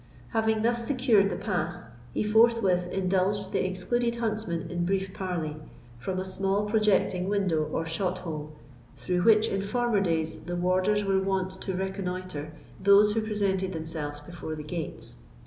Having thus secured the pass, he forthwith indulged the excluded huntsmen in brief parley, from a small projecting window, or shot hole, through which, in former days, the warders were wont to reconnoitre those who presented themselves before the gates.